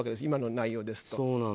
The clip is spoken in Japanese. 今の内容ですと。